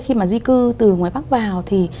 khi mà di cư từ ngoài bắc vào thì